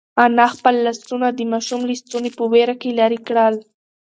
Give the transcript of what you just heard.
انا خپل لاسونه د ماشوم له ستوني په وېره کې لرې کړل.